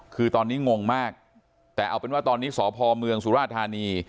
คือตอนนี้งงมากแต่เอาเป็นว่าตอนนี้สพเมืองสุราธานี